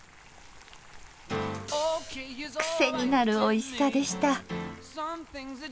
癖になるおいしさでした。